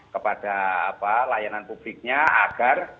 kepada layanan publiknya agar